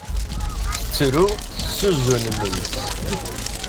Tettru tezzuzzun mmi-s.